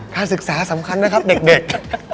การศึกษาสำคัญนะครับเด็ก